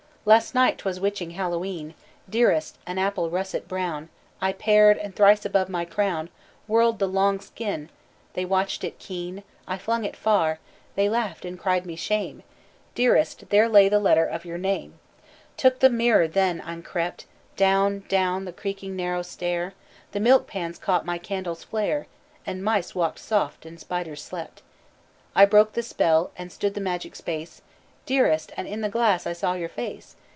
"Last night 't was witching Hallowe'en, Dearest; an apple russet brown I pared, and thrice above my crown Whirled the long skin; they watched it keen; I flung it far; they laughed and cried me shame Dearest, there lay the letter of your name. "Took I the mirror then, and crept Down, down the creaking narrow stair; The milk pans caught my candle's flare And mice walked soft and spiders slept. I spoke the spell, and stood the magic space, Dearest and in the glass I saw your face!